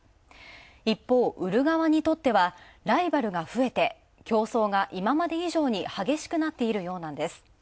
一方売る側にとってはライバルが増えて、競争が今まで以上に激しくなっているようなんです。